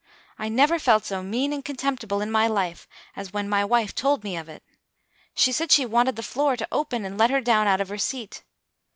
I never felt so mean and contemptible in my life as when my wife told me of it. She said she wanted the floor to open and let her down out of her seat.